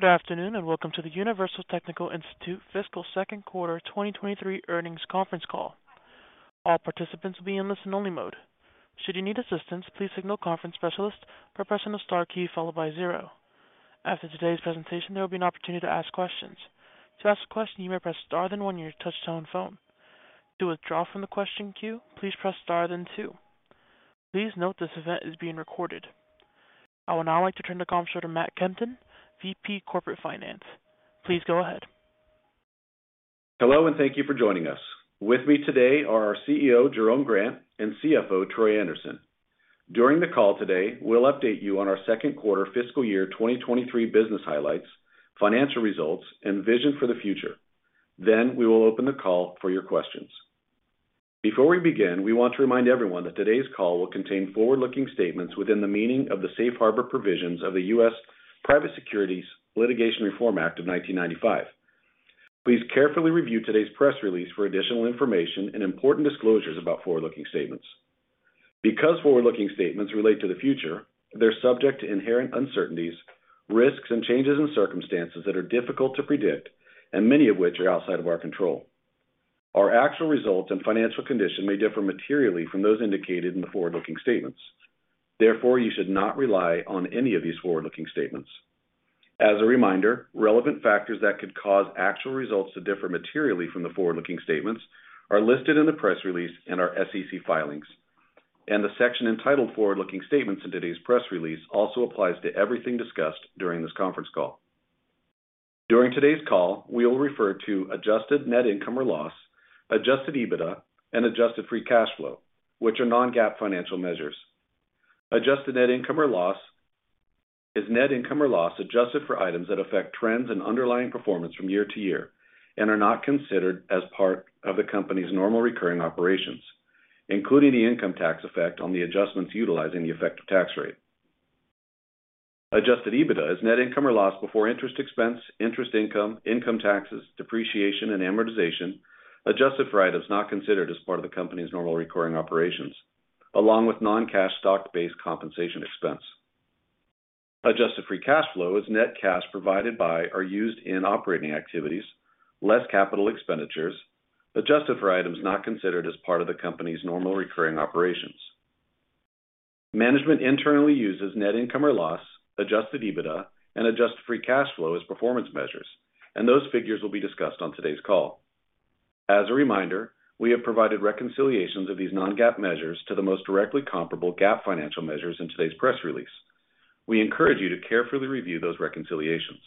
Good afternoon, and welcome to the Universal Technical Institute Fiscal Second Quarter 2023 Earnings Conference Call. All participants will be in listen-only mode. Should you need assistance, please signal conference specialist by pressing the star key followed by zero. After today's presentation, there will be an opportunity to ask questions. To ask a question, you may press star then one on your touchtone phone. To withdraw from the question queue, please press star then two. Please note this event is being recorded. I would now like to turn the conference over to Matt Kempton, VP, Corporate Finance. Please go ahead. Hello, thank you for joining us. With me today are our CEO, Jerome Grant, and CFO, Troy Anderson. During the call today, we'll update you on our second quarter fiscal year 2023 business highlights, financial results, and vision for the future. We will open the call for your questions. Before we begin, we want to remind everyone that today's call will contain forward-looking statements within the meaning of the Safe Harbor Provisions of the U.S. Private Securities Litigation Reform Act of 1995. Please carefully review today's press release for additional information and important disclosures about forward-looking statements. Because forward-looking statements relate to the future, they're subject to inherent uncertainties, risks, and changes in circumstances that are difficult to predict and many of which are outside of our control. Our actual results and financial condition may differ materially from those indicated in the forward-looking statements. Therefore, you should not rely on any of these forward-looking statements. As a reminder, relevant factors that could cause actual results to differ materially from the forward-looking statements are listed in the press release and our SEC filings, and the section entitled Forward-Looking Statements in today's press release also applies to everything discussed during this conference call. During today's call, we will refer to adjusted net income or loss, Adjusted EBITDA, and adjusted free cash flow, which are non-GAAP financial measures. Adjusted net income or loss is net income or loss adjusted for items that affect trends and underlying performance from year to year and are not considered as part of the company's normal recurring operations, including the income tax effect on the adjustments utilizing the effective tax rate. Adjusted EBITDA is net income or loss before interest expense, interest income taxes, depreciation, and amortization, adjusted for items not considered as part of the company's normal recurring operations, along with non-cash stock-based compensation expense. Adjusted free cash flow is net cash provided by or used in operating activities, less capital expenditures, adjusted for items not considered as part of the company's normal recurring operations. Management internally uses net income or loss, Adjusted EBITDA, and adjusted free cash flow as performance measures, and those figures will be discussed on today's call. As a reminder, we have provided reconciliations of these non-GAAP measures to the most directly comparable GAAP financial measures in today's press release. We encourage you to carefully review those reconciliations.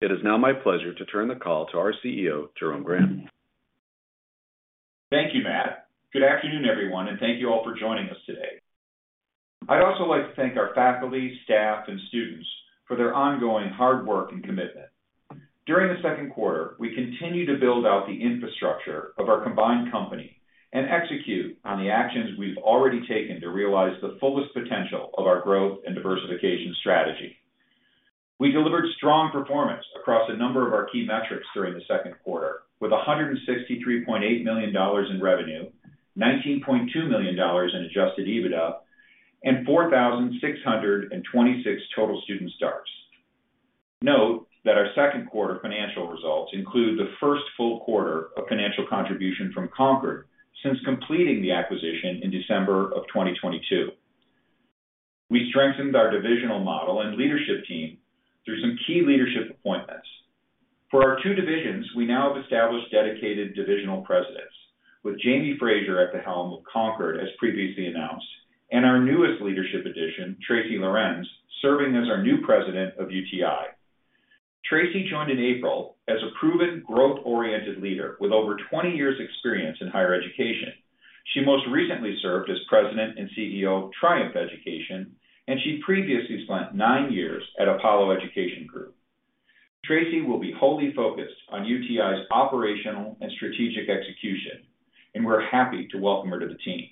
It is now my pleasure to turn the call to our CEO, Jerome Grant. Thank you, Matt. Good afternoon, everyone. Thank you all for joining us today. I'd also like to thank our faculty, staff, and students for their ongoing hard work and commitment. During the second quarter, we continued to build out the infrastructure of our combined company and execute on the actions we've already taken to realize the fullest potential of our growth and diversification strategy. We delivered strong performance across a number of our key metrics during the second quarter with $163.8 million in revenue, $19.2 million in Adjusted EBITDA, and 4,626 total student starts. Note that our second quarter financial results include the first full quarter of financial contribution from Concord since completing the acquisition in December 2022. We strengthened our divisional model and leadership team through some key leadership appointments. For our two divisions, we now have established dedicated divisional presidents with Jamie Fraser at the helm of Concord, as previously announced, and our newest leadership addition, Tracy Lorenz, serving as our new president of UTI. Tracy joined in April as a proven growth-oriented leader with over 20 years' experience in higher education. She most recently served as president and CEO of Triumph Education, and she previously spent nine years at Apollo Education Group. Tracy will be wholly focused on UTI's operational and strategic execution, and we're happy to welcome her to the team.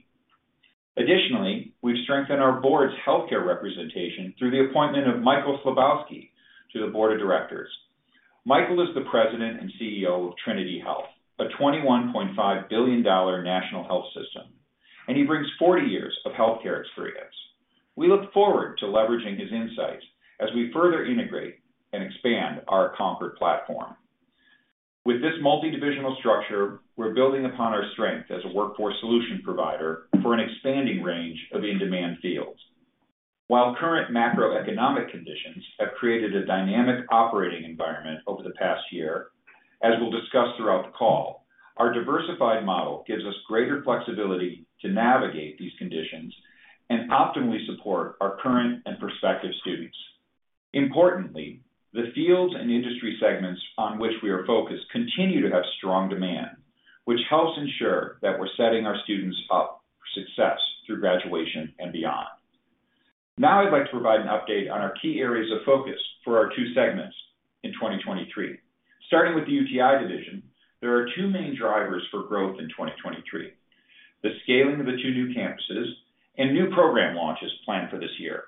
Additionally, we've strengthened our board's healthcare representation through the appointment of Michael Slubowski to the board of directors. Michael is the president and CEO of Trinity Health, a $21.5 billion national health system, and he brings 40 years of healthcare experience. We look forward to leveraging his insights as we further integrate and expand our Concord platform. With this multidivisional structure, we're building upon our strength as a workforce solution provider for an expanding range of in-demand fields. While current macroeconomic conditions have created a dynamic operating environment over the past year, as we'll discuss throughout the call, our diversified model gives us greater flexibility to navigate these conditions and optimally support our current and prospective students. Importantly, the fields and industry segments on which we are focused continue to have strong demand, which helps ensure that we're setting our students up for success through graduation and beyond. I'd like to provide an update on our key areas of focus for our two segments in 2023. Starting with the UTI division, there are two main drivers for growth in 2023: the scaling of the two new campuses and new program launches planned for this year.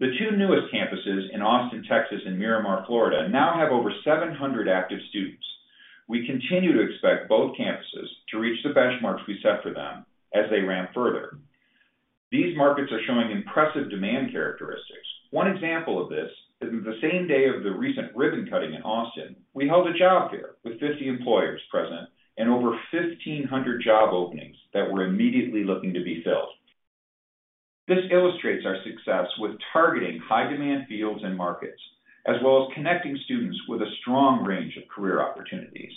The two newest campuses in Austin, Texas and Miramar, Florida, now have over 700 active students. We continue to expect both campuses to reach the benchmarks we set for them as they ramp further. These markets are showing impressive demand characteristics. One example of this is the same day of the recent ribbon cutting in Austin, we held a job fair with 50 employers present and over 1,500 job openings that were immediately looking to be filled. This illustrates our success with targeting high demand fields and markets, as well as connecting students with a strong range of career opportunities.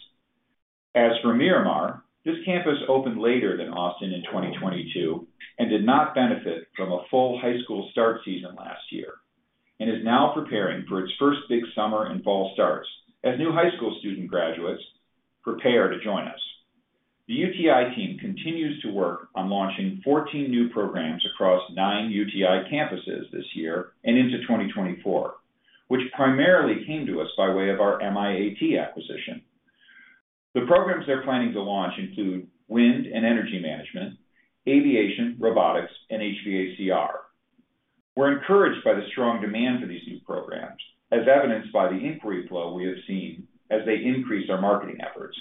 Miramar, this campus opened later than Austin in 2022, and did not benefit from a full high school start season last year, and is now preparing for its first big summer and fall starts as new high school student graduates prepare to join us. The UTI team continues to work on launching 14 new programs across 9 UTI campuses this year and into 2024, which primarily came to us by way of our MIAT acquisition. The programs they're planning to launch include wind and energy management, aviation, robotics, and HVACR. We're encouraged by the strong demand for these new programs, as evidenced by the inquiry flow we have seen as they increase our marketing efforts.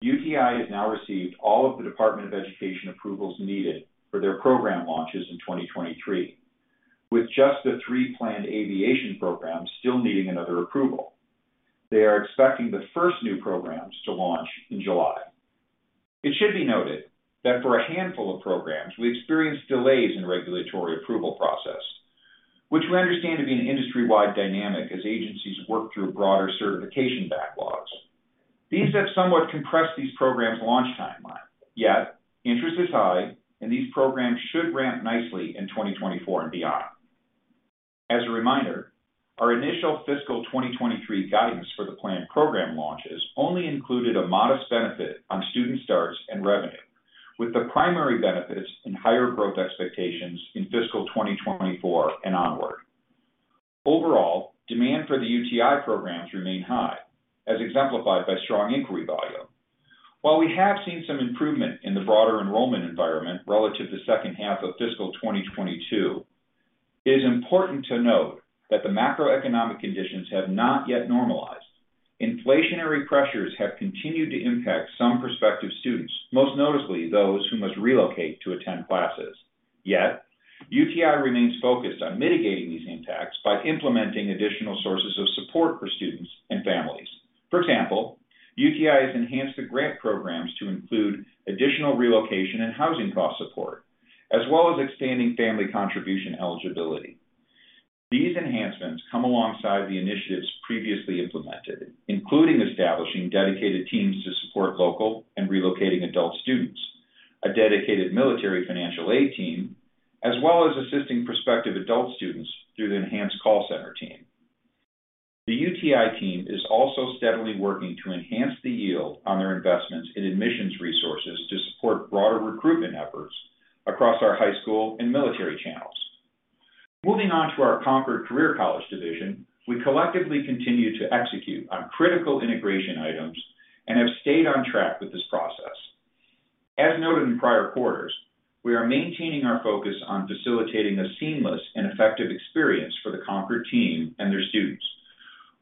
UTI has now received all of the Department of Education approvals needed for their program launches in 2023, with just the three planned aviation programs still needing another approval. They are expecting the first new programs to launch in July. It should be noted that for a handful of programs, we experienced delays in regulatory approval process, which we understand to be an industry-wide dynamic as agencies work through broader certification backlogs. These have somewhat compressed these programs' launch timeline. Interest is high, and these programs should ramp nicely in 2024 and beyond. As a reminder, our initial fiscal 2023 guidance for the planned program launches only included a modest benefit on student starts and revenue, with the primary benefits in higher growth expectations in fiscal 2024 and onward. Overall, demand for the UTI programs remain high, as exemplified by strong inquiry volume. While we have seen some improvement in the broader enrollment environment relative to second half of fiscal 2022, it is important to note that the macroeconomic conditions have not yet normalized. Inflationary pressures have continued to impact some prospective students, most noticeably those who must relocate to attend classes. UTI remains focused on mitigating these impacts by implementing additional sources of support for students and families. For example, UTI has enhanced the grant programs to include additional relocation and housing cost support, as well as expanding family contribution eligibility. These enhancements come alongside the initiatives previously implemented, including establishing dedicated teams to support local and relocating adult students, a dedicated military financial aid team, as well as assisting prospective adult students through the enhanced call center team. The UTI team is also steadily working to enhance the yield on their investments in admissions resources to support broader recruitment efforts across our high school and military channels. Moving on to our Concord Career Colleges division, we collectively continue to execute on critical integration items and have stayed on track with this process. As noted in prior quarters, we are maintaining our focus on facilitating a seamless and effective experience for the Concord team and their students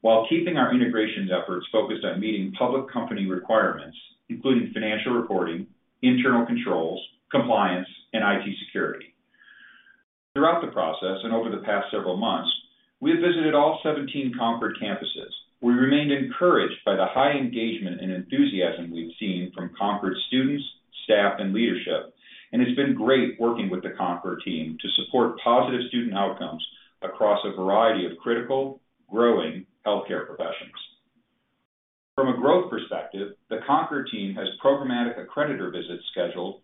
while keeping our integrations efforts focused on meeting public company requirements, including financial reporting, internal controls, compliance, and IT security. Throughout the process and over the past several months, we have visited all 17 Concord campuses. We remained encouraged by the high engagement and enthusiasm we've seen from Concord students, staff, and leadership, and it's been great working with the Concord team to support positive student outcomes across a variety of critical, growing healthcare professions. From a growth perspective, the Concord team has programmatic accreditor visits scheduled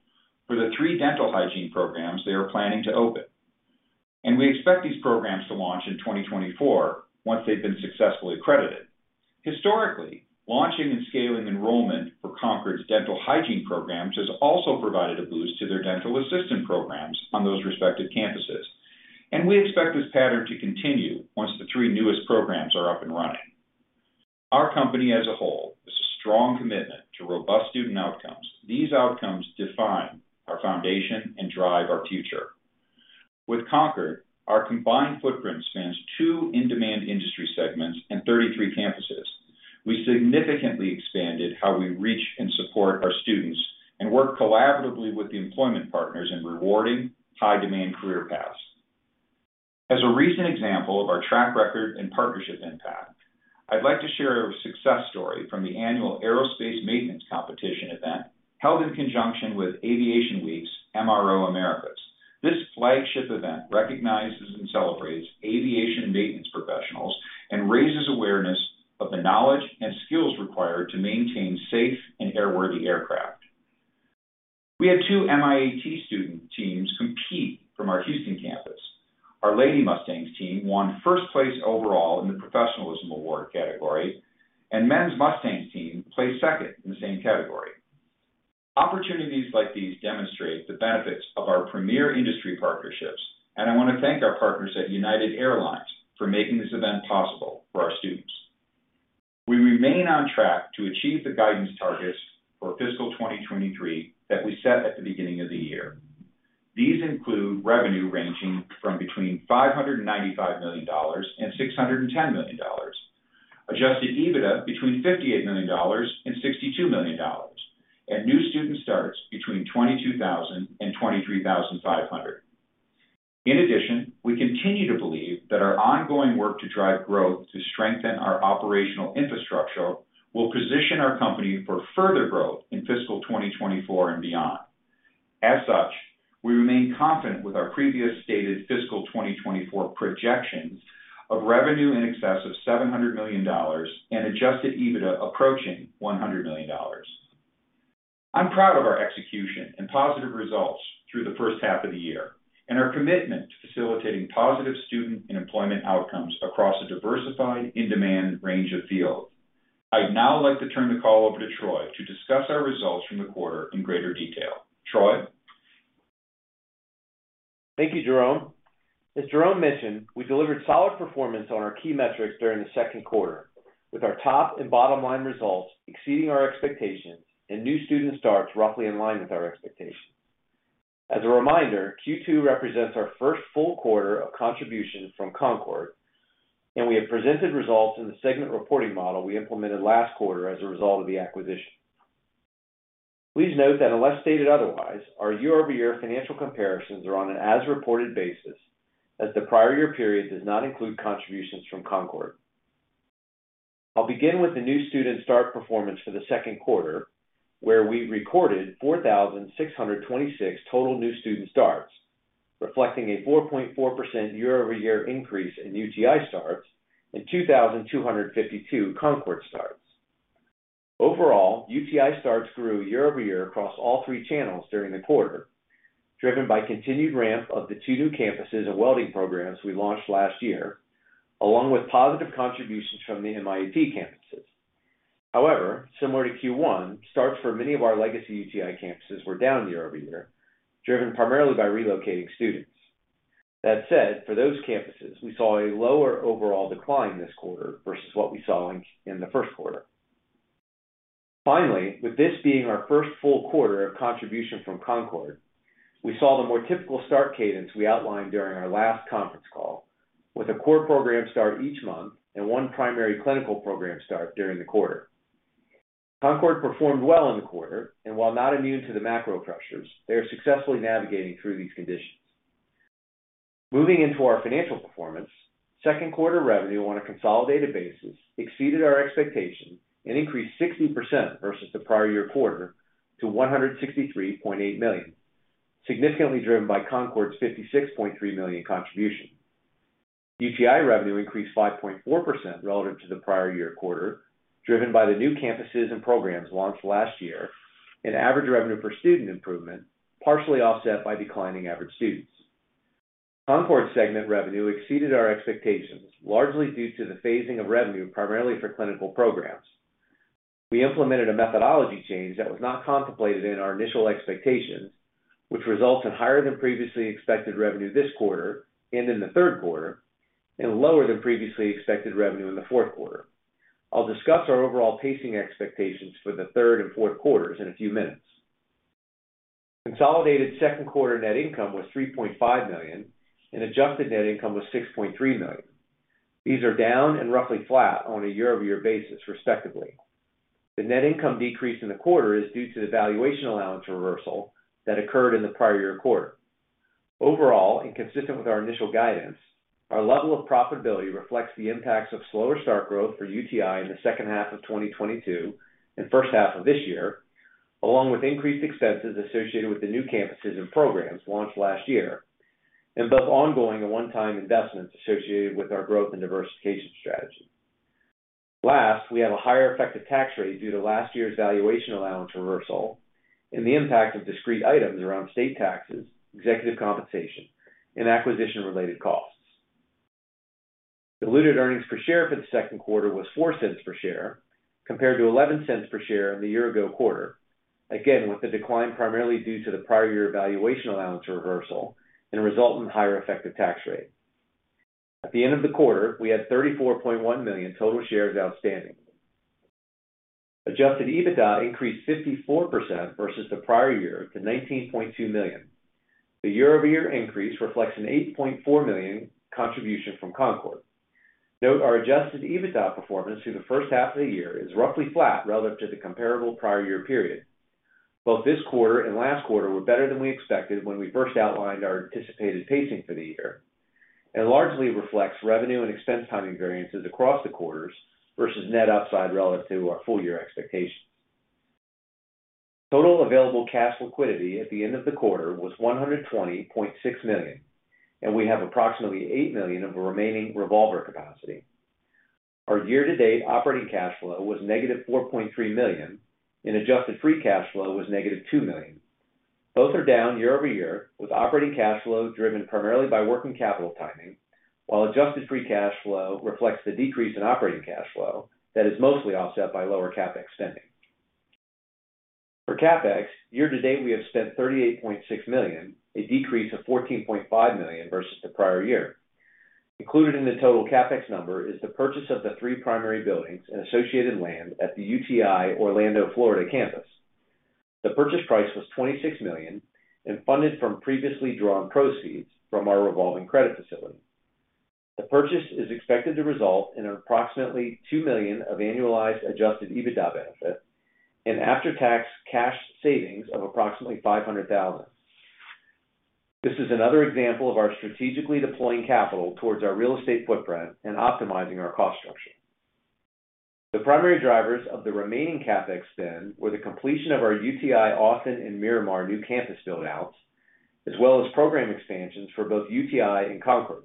for the 3 dental hygiene programs they are planning to open, and we expect these programs to launch in 2024 once they've been successfully accredited. Historically, launching and scaling enrollment for Concord's dental hygiene programs has also provided a boost to their dental assistant programs on those respective campuses, and we expect this pattern to continue once the three newest programs are up and running. Our company as a whole is a strong commitment to robust student outcomes. These outcomes define our foundation and drive our future. With Concord, our combined footprint spans two in-demand industry segments and 33 campuses. We significantly expanded how we reach and support our students and work collaboratively with the employment partners in rewarding high-demand career paths. As a recent example of our track record and partnership impact, I'd like to share a success story from the annual Aerospace Maintenance Competition event held in conjunction with Aviation Week's MRO Americas. This flagship event recognizes and celebrates aviation maintenance professionals and raises awareness of the knowledge and skills required to maintain safe and airworthy aircraft. We had two MIAT student teams compete from our Houston campus. Our Lady Mustangs team won first place overall in the professionalism award category, and Men's Mustangs team placed second in the same category. Opportunities like these demonstrate the benefits of our premier industry partnerships, and I wanna thank our partners at United Airlines for making this event possible for our students. We remain on track to achieve the guidance targets for fiscal 2023 that we set at the beginning of the year. These include revenue ranging from between $595 million and $610 million, Adjusted EBITDA between $58 million and $62 million, and new student starts between 22,000 and 23,500. In addition, we continue to believe that our ongoing work to drive growth to strengthen our operational infrastructure will position our company for further growth in fiscal 2024 and beyond. We remain confident with our previous stated fiscal 2024 projections of revenue in excess of $700 million and Adjusted EBITDA approaching $100 million. I'm proud of our execution and positive results through the first half of the year and our commitment to facilitating positive student and employment outcomes across a diversified in-demand range of fields. I'd now like to turn the call over to Troy to discuss our results from the quarter in greater detail. Troy? Thank you, Jerome. As Jerome mentioned, we delivered solid performance on our key metrics during the second quarter, with our top and bottom line results exceeding our expectations and new student starts roughly in line with our expectations. As a reminder, Q2 represents our first full quarter of contributions from Concord, and we have presented results in the segment reporting model we implemented last quarter as a result of the acquisition. Please note that unless stated otherwise, our year-over-year financial comparisons are on an as-reported basis, as the prior year period does not include contributions from Concord. I'll begin with the new student start performance for the second quarter, where we recorded 4,626 total new student starts, reflecting a 4.4% year-over-year increase in UTI starts and 2,252 Concord starts. Overall, UTI starts grew year-over-year across all three channels during the quarter, driven by continued ramp of the two new campuses and welding programs we launched last year, along with positive contributions from the MIAT campuses. Similar to Q1, starts for many of our legacy UTI campuses were down year-over-year, driven primarily by relocating students. That said, for those campuses, we saw a lower overall decline this quarter versus what we saw in the first quarter. Finally, with this being our first full quarter of contribution from Concord, we saw the more typical start cadence we outlined during our last conference call, with a core program start each month and 1 primary clinical program start during the quarter. Concord performed well in the quarter, and while not immune to the macro pressures, they are successfully navigating through these conditions. Moving into our financial performance, second quarter revenue on a consolidated basis exceeded our expectations and increased 60% versus the prior year quarter to $163.8 million, significantly driven by Concord's $56.3 million contribution. UTI revenue increased 5.4% relative to the prior year quarter, driven by the new campuses and programs launched last year and average revenue per student improvement, partially offset by declining average students. Concord segment revenue exceeded our expectations, largely due to the phasing of revenue primarily for clinical programs. We implemented a methodology change that was not contemplated in our initial expectations, which results in higher than previously expected revenue this quarter and in the third quarter, and lower than previously expected revenue in the fourth quarter. I'll discuss our overall pacing expectations for the third and fourth quarters in a few minutes. Consolidated second quarter net income was $3.5 million, adjusted net income was $6.3 million. These are down and roughly flat on a year-over-year basis, respectively. The net income decrease in the quarter is due to the valuation allowance reversal that occurred in the prior year quarter. Overall, consistent with our initial guidance, our level of profitability reflects the impacts of slower start growth for UTI in the second half of 2022 and first half of this year, along with increased expenses associated with the new campuses and programs launched last year, and both ongoing and one-time investments associated with our growth and diversification strategy. Last, we have a higher effective tax rate due to last year's valuation allowance reversal and the impact of discrete items around state taxes, executive compensation, and acquisition-related costs. Diluted earnings per share for the second quarter was $0.04 per share, compared to $0.11 per share in the year-ago quarter. Again, with the decline primarily due to the prior-year valuation allowance reversal and resultant higher effective tax rate. At the end of the quarter, we had $34.1 million total shares outstanding. Adjusted EBITDA increased 54% versus the prior-year to $19.2 million. The year-over-year increase reflects an $8.4 million contribution from Concord. Note our Adjusted EBITDA performance through the first half of the year is roughly flat relative to the comparable prior-year period. Both this quarter and last quarter were better than we expected when we first outlined our anticipated pacing for the year, and largely reflects revenue and expense timing variances across the quarters versus net upside relative to our full year expectations. Total available cash liquidity at the end of the quarter was $120.6 million. We have approximately $8 million of remaining revolver capacity. Our year-to-date operating cash flow was negative $4.3 million. Adjusted free cash flow was negative $2 million. Both are down year-over-year, with operating cash flow driven primarily by working capital timing, while adjusted free cash flow reflects the decrease in operating cash flow that is mostly offset by lower CapEx spending. For CapEx, year-to-date we have spent $38.6 million, a decrease of $14.5 million versus the prior year. Included in the total CapEx number is the purchase of the three primary buildings and associated land at the UTI Orlando, Florida campus. The purchase price was $26 million and funded from previously drawn proceeds from our revolving credit facility. The purchase is expected to result in approximately $2 million of annualized adjusted EBITDA benefit and after-tax cash savings of approximately $500,000. This is another example of our strategically deploying capital towards our real estate footprint and optimizing our cost structure. The primary drivers of the remaining CapEx spend were the completion of our UTI Austin and Miramar new campus build-outs, as well as program expansions for both UTI and Concord.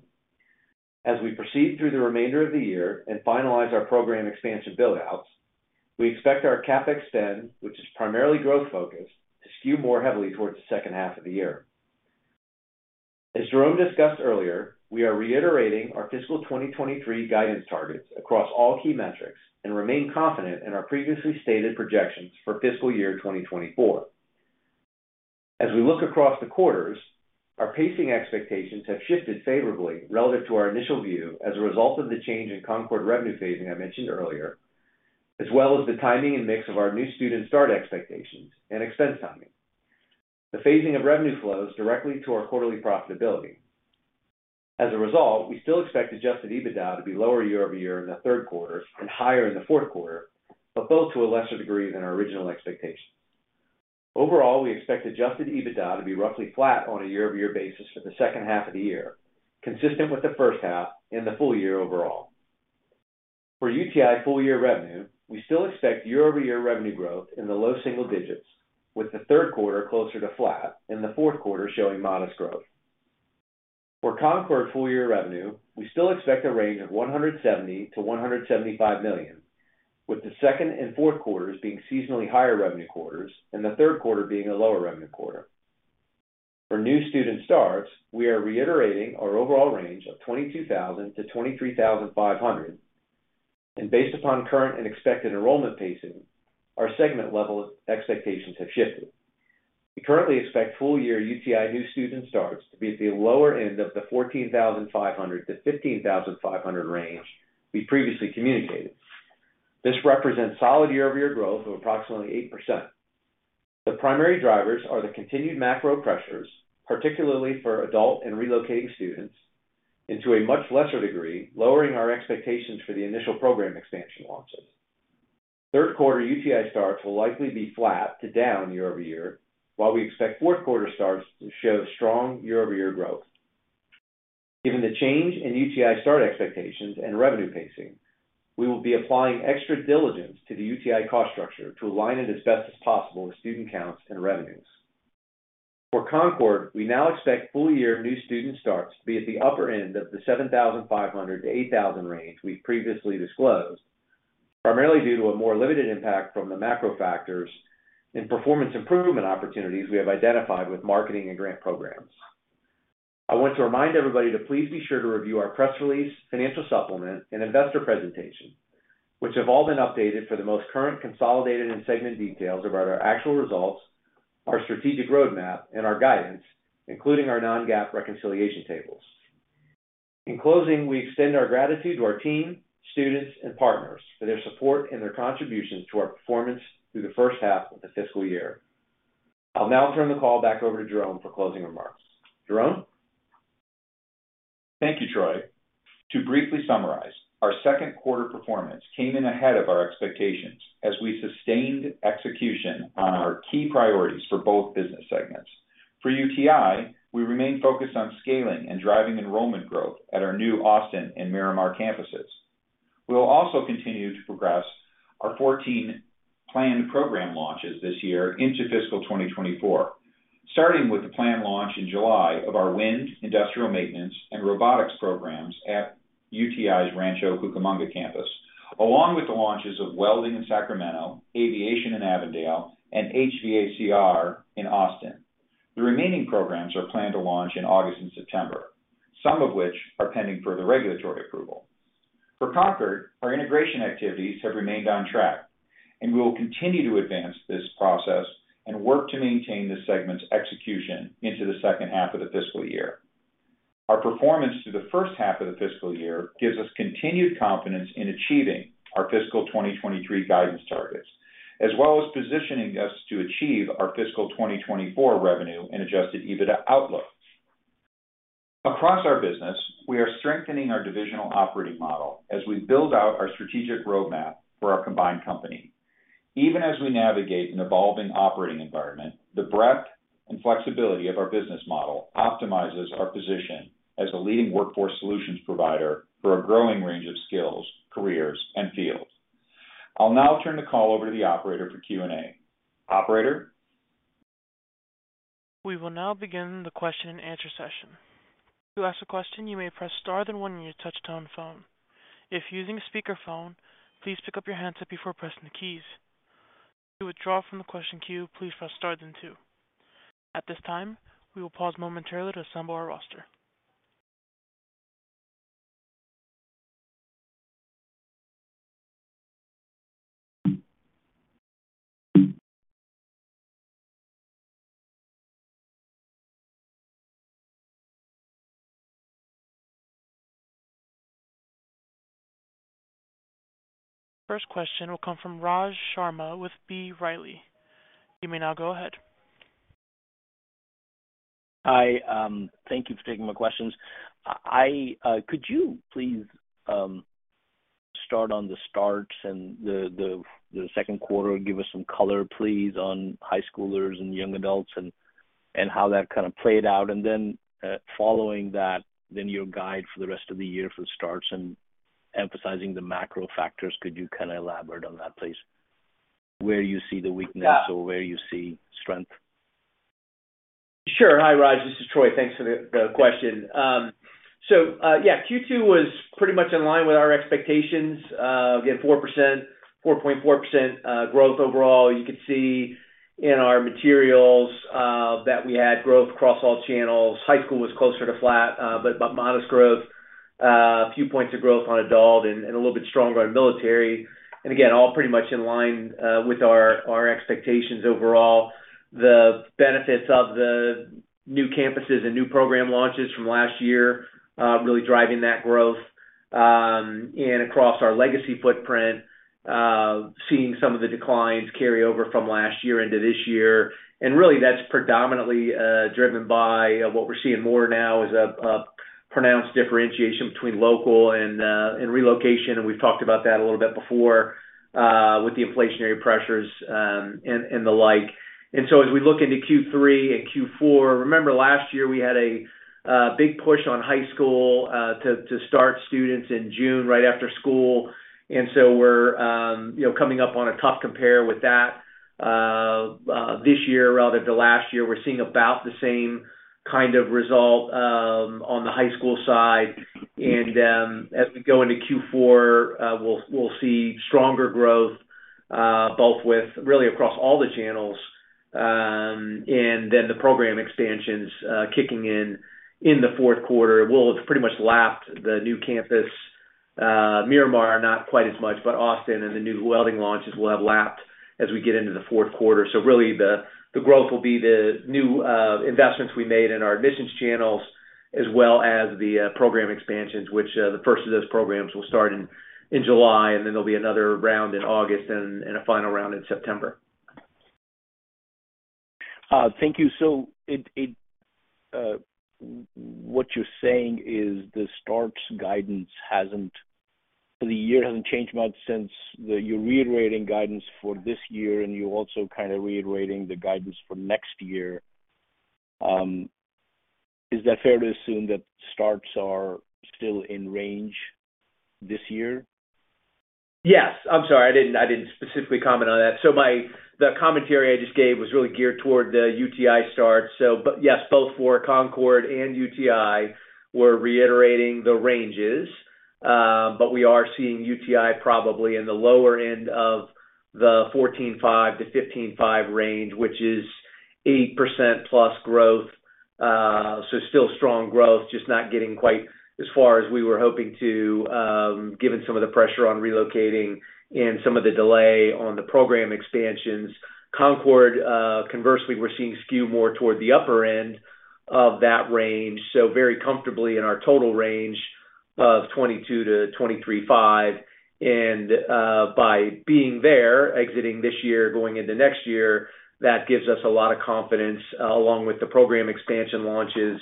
As we proceed through the remainder of the year and finalize our program expansion build-outs, we expect our CapEx spend, which is primarily growth focused, to skew more heavily towards the second half of the year. As Jerome discussed earlier, we are reiterating our fiscal 2023 guidance targets across all key metrics and remain confident in our previously stated projections for fiscal year 2024. We look across the quarters, our pacing expectations have shifted favorably relative to our initial view as a result of the change in Concord revenue phasing I mentioned earlier, as well as the timing and mix of our new student start expectations and expense timing. The phasing of revenue flows directly to our quarterly profitability. We still expect Adjusted EBITDA to be lower year-over-year in the third quarter and higher in the fourth quarter, both to a lesser degree than our original expectations. We expect Adjusted EBITDA to be roughly flat on a year-over-year basis for the second half of the year, consistent with the first half and the full year overall. For UTI full year revenue, we still expect year-over-year revenue growth in the low single digits, with the third quarter closer to flat and the fourth quarter showing modest growth. For Concorde full year revenue, we still expect a range of $170 million-$175 million, with the second and fourth quarters being seasonally higher revenue quarters and the third quarter being a lower revenue quarter. For new student starts, we are reiterating our overall range of 22,000-23,500. Based upon current and expected enrollment pacing, our segment level expectations have shifted. We currently expect full year UTI new student starts to be at the lower end of the 14,500-15,500 range we previously communicated. This represents solid year-over-year growth of approximately 8%. The primary drivers are the continued macro pressures, particularly for adult and relocating students, and to a much lesser degree, lowering our expectations for the initial program expansion launches. Third quarter UTI starts will likely be flat to down year-over-year, while we expect fourth quarter starts to show strong year-over-year growth. Given the change in UTI start expectations and revenue pacing, we will be applying extra diligence to the UTI cost structure to align it as best as possible with student counts and revenues. For Concord, we now expect full year new student starts to be at the upper end of the 7,500-8,000 range we previously disclosed, primarily due to a more limited impact from the macro factors and performance improvement opportunities we have identified with marketing and grant programs. I want to remind everybody to please be sure to review our press release, financial supplement, and investor presentation, which have all been updated for the most current consolidated and segment details about our actual results, our strategic roadmap, and our guidance, including our non-GAAP reconciliation tables. In closing, we extend our gratitude to our team, students, and partners for their support and their contributions to our performance through the first half of the fiscal year. I'll now turn the call back over to Jerome for closing remarks. Jerome? Thank you, Troy. To briefly summarize, our second quarter performance came in ahead of our expectations as we sustained execution on our key priorities for both business segments. For UTI, we remain focused on scaling and driving enrollment growth at our new Austin and Miramar campuses. We will also continue to progress our 14 planned program launches this year into fiscal 2024, starting with the planned launch in July of our Wind, industrial maintenance, and robotics programs at UTI's Rancho Cucamonga campus, along with the launches of welding in Sacramento, aviation in Avondale, and HVACR in Austin. The remaining programs are planned to launch in August and September, some of which are pending further regulatory approval. For Concord, our integration activities have remained on track. We will continue to advance this process and work to maintain the segment's execution into the second half of the fiscal year. Our performance through the first half of the fiscal year gives us continued confidence in achieving our fiscal 2023 guidance targets, as well as positioning us to achieve our fiscal 2024 revenue and Adjusted EBITDA outlooks. Across our business, we are strengthening our divisional operating model as we build out our strategic roadmap for our combined company. Even as we navigate an evolving operating environment, the breadth and flexibility of our business model optimizes our position as a leading workforce solutions provider for a growing range of skills, careers, and fields. I'll now turn the call over to the operator for Q&A. Operator? We will now begin the question and answer session. To ask a question, you may press star then one on your touch-tone phone. If using a speakerphone, please pick up your handset before pressing the keys. To withdraw from the question queue, please press star then two. At this time, we will pause momentarily to assemble our roster. First question will come from Raj Sharma with B. Riley. You may now go ahead. Hi, thank you for taking my questions. I, could you please, start on the starts and the second quarter, give us some color, please, on high schoolers and young adults and how that kind of played out. Following that, then your guide for the rest of the year for the starts and emphasizing the macro factors. Could you kinda elaborate on that, please? Where you see the weakness or where you see strength. Sure. Hi, Raj, this is Troy. Thanks for the question. Yeah, Q2 was pretty much in line with our expectations. Again, 4%, 4.4% growth overall. You could see in our materials that we had growth across all channels. High school was closer to flat, but modest growth. A few points of growth on adult and a little bit stronger on military. Again, all pretty much in line with our expectations overall. The benefits of the new campuses and new program launches from last year really driving that growth. Across our legacy footprint, seeing some of the declines carry over from last year into this year. Really that's predominantly driven by what we're seeing more now is a pronounced differentiation between local and relocation, and we've talked about that a little bit before with the inflationary pressures and the like. As we look into Q3 and Q4, remember last year we had a big push on high school to start students in June right after school. We're, you know, coming up on a tough compare with that this year rather than last year. We're seeing about the same kind of result on the high school side. As we go into Q4, we'll see stronger growth both with really across all the channels, and then the program expansions kicking in in the fourth quarter. We'll pretty much lapped the new campus, Miramar, not quite as much, but Austin and the new welding launches will have lapped as we get into the fourth quarter. Really the growth will be the new investments we made in our admissions channels as well as the program expansions, which the first of those programs will start in July, and then there'll be another round in August and a final round in September. Thank you. What you're saying is the starts guidance for the year hasn't changed much. You're reiterating guidance for this year, and you're also kind of reiterating the guidance for next year. Is that fair to assume that starts are still in range this year? Yes. I'm sorry. I didn't specifically comment on that. The commentary I just gave was really geared toward the UTI start. Yes, both for Concord and UTI, we're reiterating the ranges. We are seeing UTI probably in the lower end of the 14.5-15.5 range, which is 8%+ growth. Still strong growth, just not getting quite as far as we were hoping to, given some of the pressure on relocating and some of the delay on the program expansions. Concord, conversely, we're seeing skew more toward the upper end of that range, so very comfortably in our total range of 22-23.5. By being there, exiting this year, going into next year, that gives us a lot of confidence along with the program expansion launches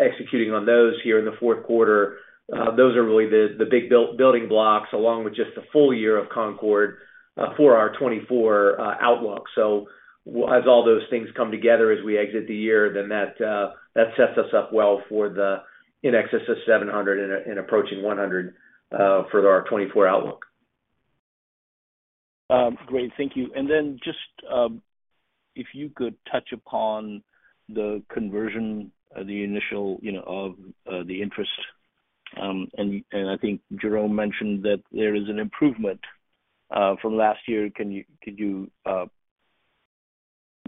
executing on those here in the fourth quarter. Those are really the big building blocks, along with just the full year of Concord for our 2024 outlook. As all those things come together as we exit the year, then that sets us up well for the in excess of 700 and approaching 100 for our 2024 outlook. Great. Thank you. Then just, if you could touch upon the conversion, the initial, you know, of the interest. I think Jerome mentioned that there is an improvement from last year. Can you, could you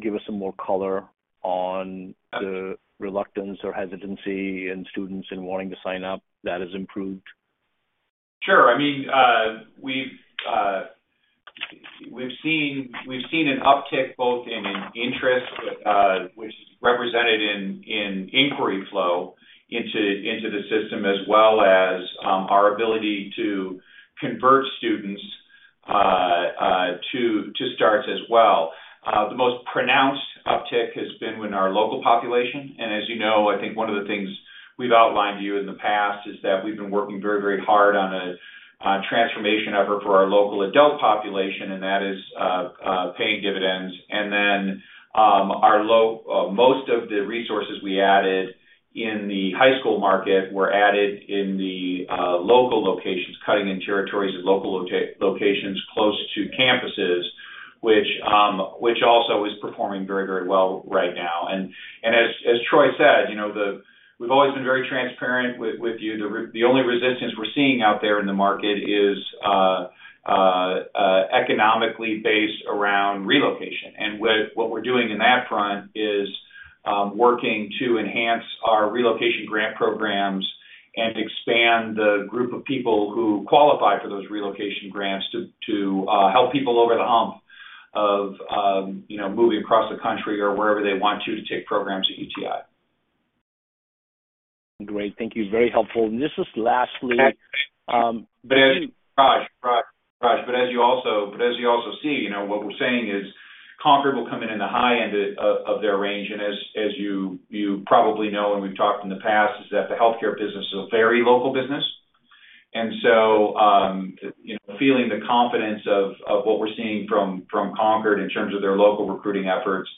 give us some more color on the reluctance or hesitancy in students in wanting to sign up that has improved? Sure. I mean, we've seen an uptick both in interest, which is represented in inquiry flow into the system, as well as our ability to convert students to starts as well. The most pronounced uptick has been in our local population. As you know, I think one of the things we've outlined to you in the past is that we've been working very, very hard on a transformation effort for our local adult population, and that is paying dividends. Most of the resources we added in the high school market were added in the local locations, cutting in territories and local locations close to campuses, which also is performing very, very well right now. As Troy said, you know, we've always been very transparent with you. The only resistance we're seeing out there in the market is economically based around relocation. What we're doing in that front is working to enhance our relocation grant programs and expand the group of people who qualify for those relocation grants to help people over the hump of, you know, moving across the country or wherever they want to take programs at UTI. Great. Thank you. Very helpful. This is lastly. Raj. As you also see, you know, what we're saying is Concorde will come in in the high end of their range. As you probably know, and we've talked in the past, is that the healthcare business is a very local business. You know, feeling the confidence of what we're seeing from Concorde in terms of their local recruiting efforts,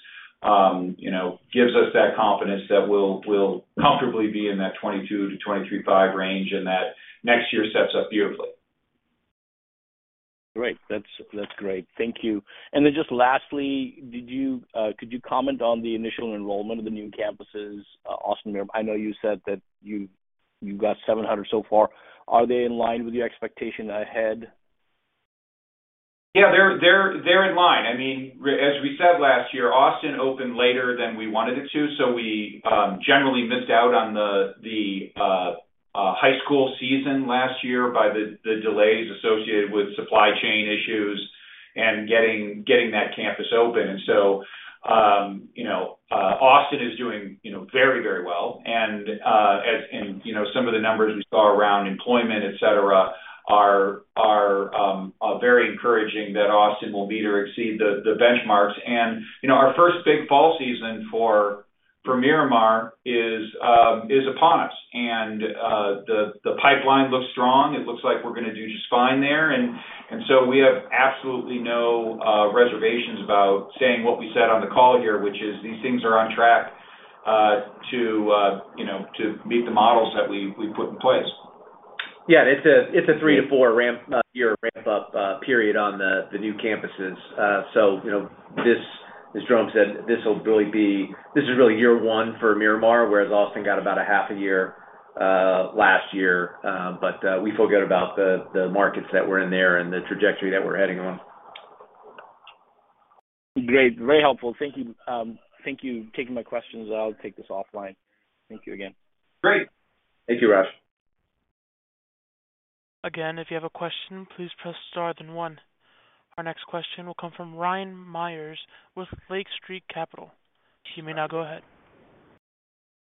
you know, gives us that confidence that we'll comfortably be in that $22-$23.5 range, and that next year sets up beautifully. Great. That's great. Thank you. Just lastly, could you comment on the initial enrollment of the new campuses, Austin? I know you said that you've got 700 so far. Are they in line with your expectation ahead? Yeah, they're in line. I mean, as we said last year, Austin opened later than we wanted it to, so we generally missed out on the high school season last year by the delays associated with supply chain issues and getting that campus open. So, you know, Austin is doing, you know, very, very well. As in, you know, some of the numbers we saw around employment, et cetera, are very encouraging that Austin will meet or exceed the benchmarks. You know, our first big fall season for Miramar is upon us. The pipeline looks strong. It looks like we're gonna do just fine there. We have absolutely no reservations about saying what we said on the call here, which is these things are on track to, you know, to meet the models that we've put in place. Yeah. It's a, it's a 3-4 year ramp up period on the new campuses. So, you know, this, as Jerome Grant said, this will really be. This is really year one for Miramar, whereas Austin got about a half a year last year. But we feel good about the markets that we're in there and the trajectory that we're heading on. Great. Very helpful. Thank you. Thank you. Taking my questions. I'll take this offline. Thank you again. Great. Thank you, Raj. Again, if you have a question, please press star then one. Our next question will come from Ryan Meyers with Lake Street Capital. You may now go ahead.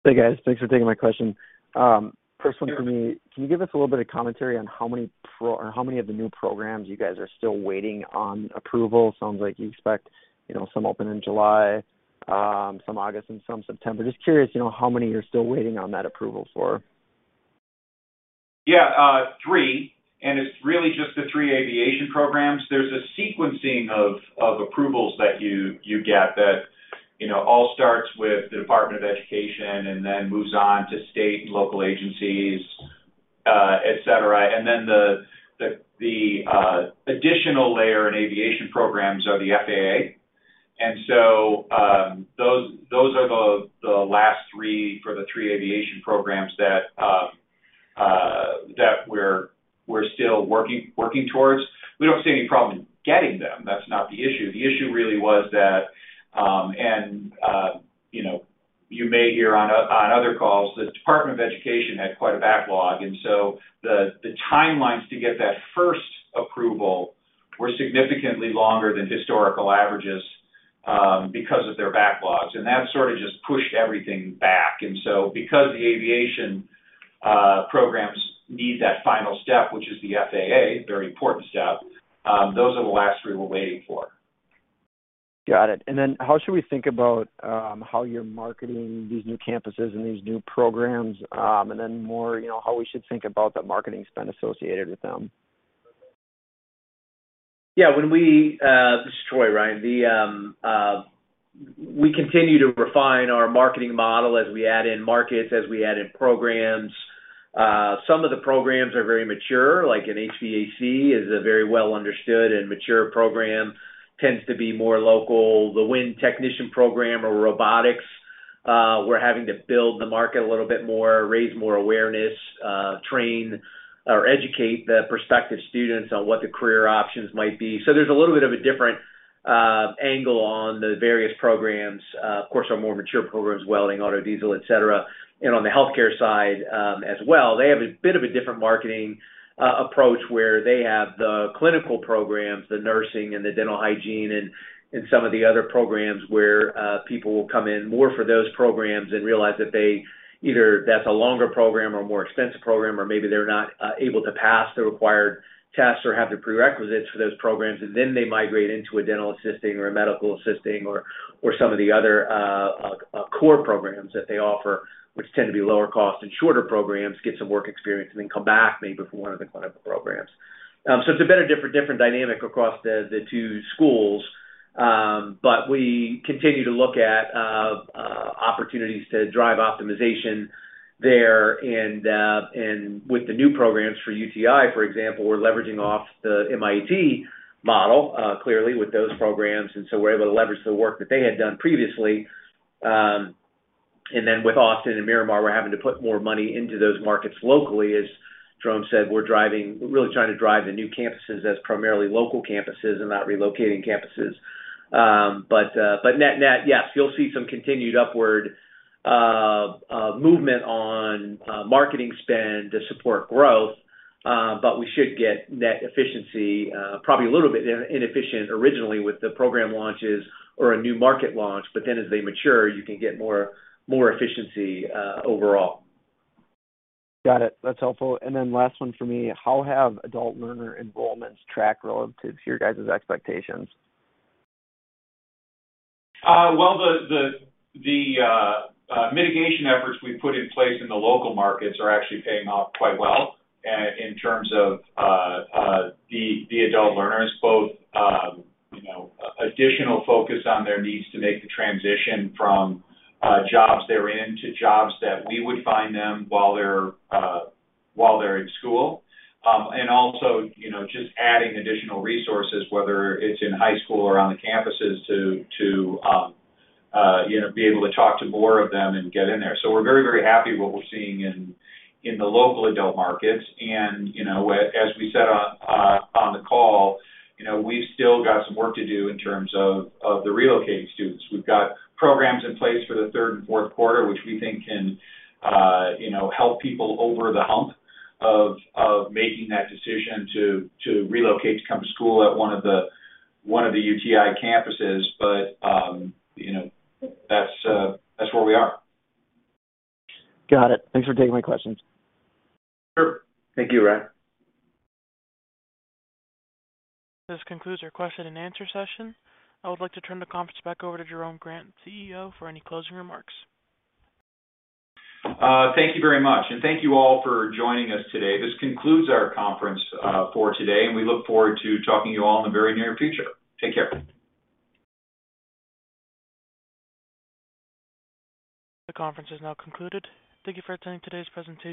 Hey, guys. Thanks for taking my question. Personally for me, can you give us a little bit of commentary on how many of the new programs you guys are still waiting on approval? Sounds like you expect, you know, some open in July, some August and some September. Just curious, you know, how many you're still waiting on that approval for. Yeah, three, and it's really just the three aviation programs. There's a sequencing of approvals that you get that, you know, all starts with the Department of Education and then moves on to state and local agencies, et cetera. Then the additional layer in aviation programs are the FAA. So, those are the last three for the three aviation programs that we're still working towards. We don't see any problem getting them. That's not the issue. The issue really was that, and, you know, you may hear on other calls, the Department of Education had quite a backlog, and so the timelines to get that first approval were significantly longer than historical averages because of their backlogs. That sort of just pushed everything back. Because the aviation programs need that final step, which is the FAA, very important step, those are the last three we're waiting for. Got it. How should we think about how you're marketing these new campuses and these new programs? More, you know, how we should think about the marketing spend associated with them. Yeah. This is Troy, Ryan. We continue to refine our marketing model as we add in markets, as we add in programs. Some of the programs are very mature, like an HVAC is a very well understood and mature program, tends to be more local. The wind technician program or robotics, we're having to build the market a little bit more, raise more awareness, train or educate the prospective students on what the career options might be. There's a little bit of a different angle on the various programs. Of course, our more mature programs, welding, auto diesel, et cetera. On the healthcare side, as well, they have a bit of a different marketing approach where they have the clinical programs, the nursing and the dental hygiene and some of the other programs where people will come in more for those programs and realize that they either that's a longer program or a more extensive program or maybe they're not able to pass the required tests or have the prerequisites for those programs, then they migrate into a dental assisting or a medical assisting or some of the other core programs that they offer, which tend to be lower cost and shorter programs, get some work experience, and then come back maybe for one of the clinical programs. It's a bit of different dynamic across the two schools. We continue to look at opportunities to drive optimization there. With the new programs for UTI, for example, we're leveraging off the MIAT model, clearly with those programs, we're able to leverage the work that they had done previously. Then with Austin and Miramar, we're having to put more money into those markets locally. As Jerome said, we're really trying to drive the new campuses as primarily local campuses and not relocating campuses. Net-net, yes, you'll see some continued upward movement on marketing spend to support growth. We should get net efficiency, probably a little bit inefficient originally with the program launches or a new market launch. Then as they mature, you can get more efficiency, overall. Got it. That's helpful. Last one for me, how have adult learner enrollments tracked relative to your guys' expectations? Well, the mitigation efforts we put in place in the local markets are actually paying off quite well in terms of the adult learners. Both, you know, additional focus on their needs to make the transition from jobs they're in to jobs that we would find them while they're while they're in school. Also, you know, just adding additional resources, whether it's in high school or on the campuses, to, you know, be able to talk to more of them and get in there. We're very happy what we're seeing in the local adult markets. You know, as we said on the call, you know, we've still got some work to do in terms of the relocating students. We've got programs in place for the third and fourth quarter, which we think can, you know, help people over the hump of making that decision to relocate, to come to school at one of the, one of the UTI campuses. You know, that's where we are. Got it. Thanks for taking my questions. Sure. Thank you, Ryan. This concludes our question and answer session. I would like to turn the conference back over to Jerome Grant, CEO, for any closing remarks. Thank you very much, and thank you all for joining us today. This concludes our conference for today, and we look forward to talking to you all in the very near future. Take care. The conference is now concluded. Thank you for attending today's presentation.